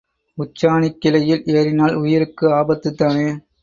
உச்சாணிக் கிளையில் ஏறினால் உயிருக்கு ஆபத்துத்தானே?